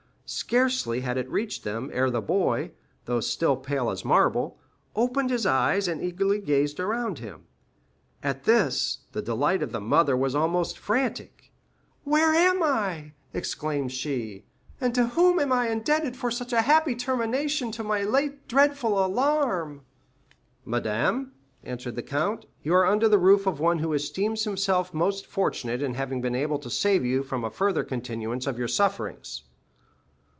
Scarcely had it reached them, ere the boy, though still pale as marble, opened his eyes, and eagerly gazed around him. At this, the delight of the mother was almost frantic. "Where am I?" exclaimed she; "and to whom am I indebted for so happy a termination to my late dreadful alarm?" "Madame," answered the count, "you are under the roof of one who esteems himself most fortunate in having been able to save you from a further continuance of your sufferings."